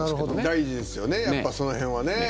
大事ですよねやっぱその辺はね。